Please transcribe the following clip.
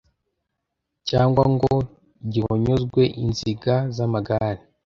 cyangwa ngo gihonyozwe inziga z’amagare,